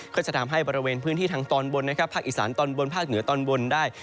ก็จะทำให้บริเวณพื้นที่ทางตอนบนนะครับภาคอีสานตอนบนภาคเหนือตอนบนได้